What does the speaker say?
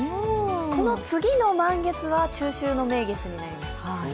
この次の満月は中秋の名月になります。